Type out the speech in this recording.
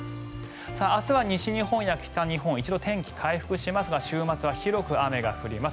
明日は西日本や北日本一度、天気が回復しますが週末は広く雨が降ります。